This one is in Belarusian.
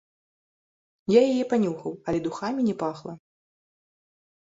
Я яе панюхаў, але духамі не пахла.